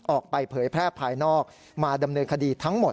เผยแพร่ภายนอกมาดำเนินคดีทั้งหมด